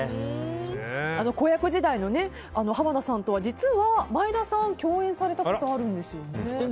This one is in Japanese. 子役時代の濱田さんとは実は前田さん共演されたことあるんですよね。